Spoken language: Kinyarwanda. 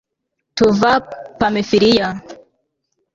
tuva pamfiliya